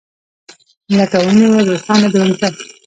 لکه ونېوه روسانو درونټه.